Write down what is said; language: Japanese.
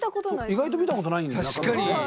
意外と見たことないんだよ中身。